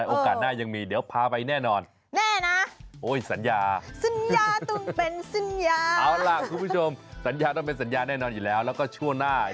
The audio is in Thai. โอกาสหน้ายังมีเดี๋ยวพาไปแน่นอนแน่นะ